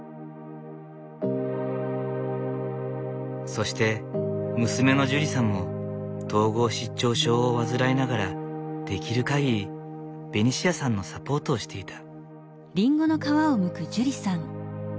そして娘のジュリさんも統合失調症を患いながらできる限りベニシアさんのサポートをしていた。